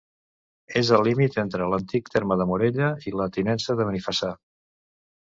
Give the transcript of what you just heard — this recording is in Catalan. És el límit entre l'antic terme de Morella i la Tinença de Benifassà.